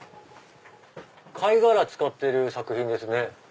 貝殻使ってる作品ですね。